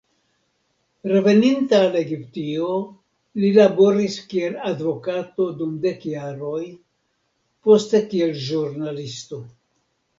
Reveninta al Egiptio, li laboris kiel advokato dum dek jaroj, poste kiel ĵurnalisto.